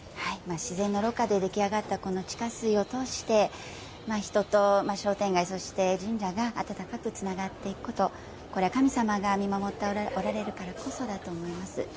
自然のろかで出来上がったこの地下水を通して人と商店街、そして神社が温かくつながっていくことこれらは神様が見守っておられるからこそだと思います。